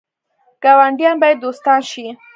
ګاونډیان باید دوستان شي